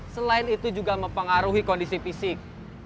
selain itu juga mempengaruhi kondisi fisik